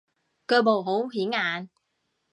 腳毛好顯眼